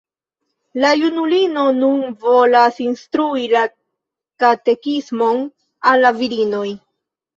La junulinoj nun volas instrui la katekismon al la virinoj.